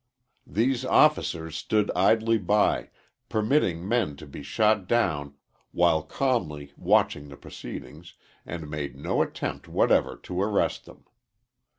These "officers" stood idly by, permitted men to be shot down while calmly watching the proceedings, and made no attempt whatever to arrest them.